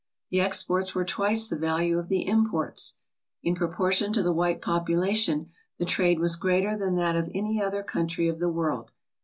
The exports were twice the value of the 'im ports. In proportion to the white population, the trade was greater than that of any other country of the world.